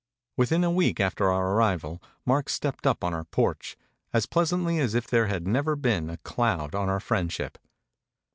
Within a week after our arrival Mark stepped up on our porch, as pleasantly as if there had never been a cloud on our friendship.